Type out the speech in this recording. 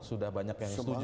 sudah banyak yang setuju